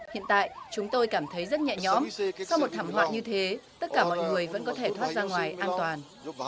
hiện tại chúng tôi cảm thấy rất nhẹ nhõm sau một thảm họa như thế tất cả mọi người vẫn có thể thoát ra ngoài an toàn